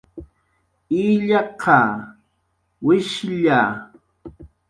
illaqa, wishlla